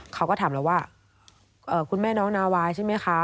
เขาก็ถามเราว่าคุณแม่น้องนาวาใช่ไหมคะ